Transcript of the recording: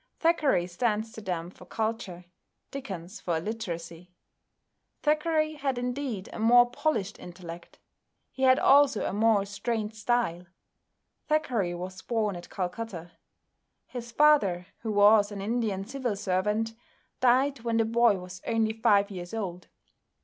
Thackeray stands to them for culture, Dickens for illiteracy. Thackeray had indeed a more polished intellect; he had also a more restrained style. Thackeray was born at Calcutta. His father, who was an Indian civil servant, died when the boy was only five years old.